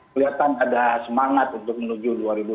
kelihatan ada semangat untuk menuju dua ribu dua puluh